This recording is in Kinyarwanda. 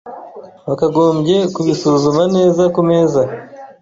Wakagombye kubisuzuma neza kumeza .